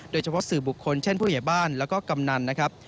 โดยเฉพาะสื่อบุคคลเช่นผู้ใหญ่บ้านแล้วก็กำนันนะครับ